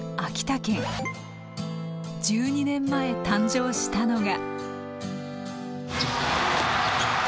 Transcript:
１２年前誕生したのが。